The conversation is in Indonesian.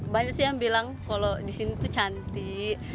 banyak sih yang bilang kalau di sini tuh cantik